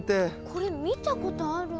これ見たことある。